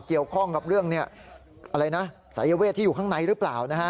เกี่ยวข้องกับเรื่องอะไรนะสายเวทที่อยู่ข้างในหรือเปล่านะฮะ